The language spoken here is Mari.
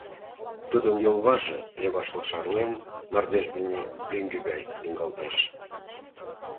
Тудын йолваже, левашла шарлен, мардеж дене лӱҥге гай лӱҥгалтеш.